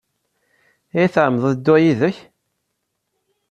Ad iyi-tɛemmdeḍ ad dduɣ yid-k?